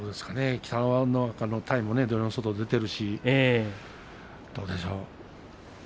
北の若の体も土俵の外に出ているし、どうでしょう。